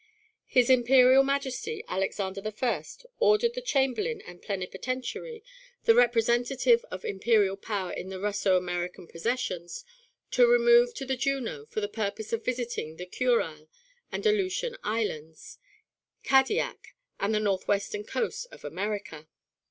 His Imperial Majesty, Alexander the First, ordered the Chamberlain and plenipotentiary, the representative of imperial power in the Russo American possessions, to remove to the Juno for the purpose of visiting the Kurile and Aleutian Islands, Kadiak and the northwestern coast of America."